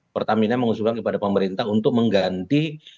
pertamina mengusulkan kepada pemerintah untuk mengganti